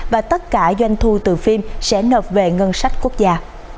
và tất cả doanh thu từ phim sẽ nợ về ngân sách quốc gia